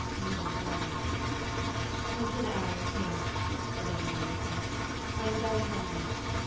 Udal groaned. 'My dinner hour is here,' the Lady Mary said. 'I am very hungry.